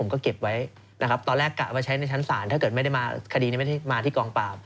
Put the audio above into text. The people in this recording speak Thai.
ก็เขาไปให้การแล้วก็ออกสื่อว่าเขารู้